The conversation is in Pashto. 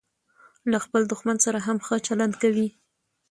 له خپل دوښمن سره هم ښه چلند کوئ!